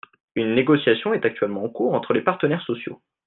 Une négociation est actuellement en cours entre les partenaires sociaux.